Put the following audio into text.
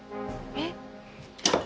えっ？